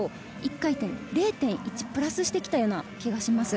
０．１プラスしてきたような気がします。